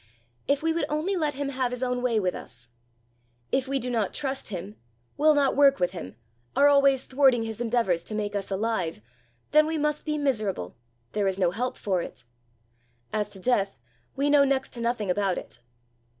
If we would only let him have his own way with us! If we do not trust him, will not work with him, are always thwarting his endeavours to make us alive, then we must be miserable; there is no help for it. As to death, we know next to nothing about it.